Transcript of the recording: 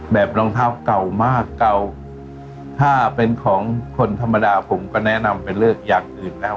รองเท้าเก่ามากเก่าถ้าเป็นของคนธรรมดาผมก็แนะนำเป็นเลขอย่างอื่นแล้ว